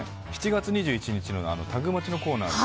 ７月２１日のタグマチのコーナーで。